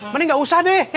mending gak usah deh ya